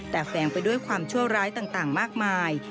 แต่แฝงไปด้วยความชั่วร้ายต่างมากมาย